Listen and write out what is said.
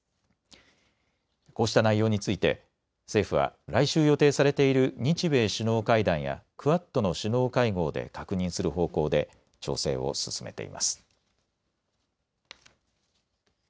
こうした内容について政府は来週予定されている日米首脳会談やクアッドの首脳会合で確認する方向で調整を進めています。